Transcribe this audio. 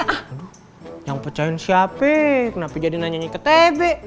aduh yang pecahin siapiii kenapa jadi nanyanya ke tebe